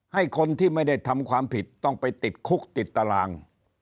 ให้คนที่ไม่ได้ทำความผิดต้องไปติดคุกติดตาราง